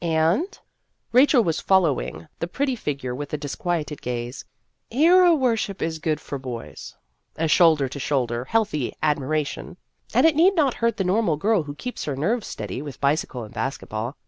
"And ?" Rachel was following the pretty figure with a disquieted gaze. " Hero worship is good for boys a shoulder to shoulder, healthy admiration ; and it need not hurt the normal girl who keeps her nerves steady with bicycle and basket ball.